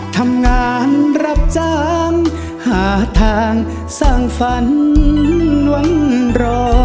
ทำงานรับจ้างหาทางสร้างฝันวันรอ